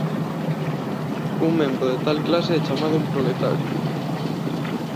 Un membro de tal clase é chamado un proletario.